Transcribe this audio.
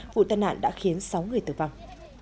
vụ tàn nạn đã khiến sáu người tử vong